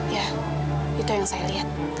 ya itu yang saya lihat